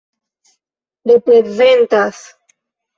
reprezentas